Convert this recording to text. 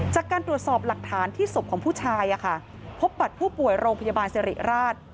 จากการตรวจสอบหลักฐานที่ศพของผู้ชายพบบัตรผู้ป่วยโรงพยาบาลสิริราช